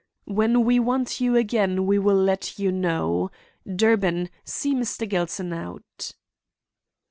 "When we want you again, we will let you know. Durbin, see Mr. Gelston out."